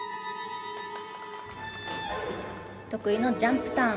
得意のジャンプターン。